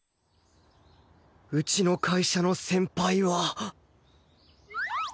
うちの会社の先輩は